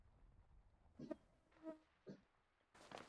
ভুয়া ফেসবুকের মাধ্যমে প্রেম করে করে আবেগের বশে মেয়েটি ছুটে এসেছিল রংপুরে।